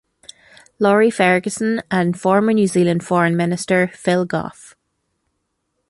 Laurie Ferguson and former New Zealand Foreign Minister Phil Goff.